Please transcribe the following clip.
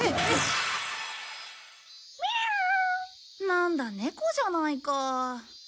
なんだネコじゃないか。